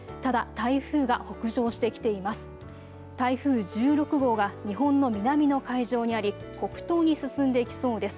台風１６号が日本の南の海上にあり北東に進んでいきそうです。